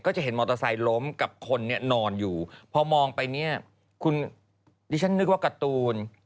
จะเห็นมอเตอร์ไซค์ล้มกับคนเนี่ยนอนอยู่พอมองไปเนี่ยคุณดิฉันนึกว่าการ์ตูน